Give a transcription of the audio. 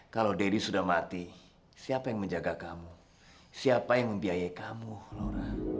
kalau deddy sudah mati siapa yang menjaga kamu siapa yang membiayai kamu laura